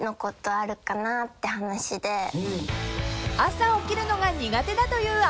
［朝起きるのが苦手だというあのさん］